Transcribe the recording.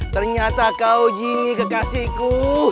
ternyata kau gini kekasihku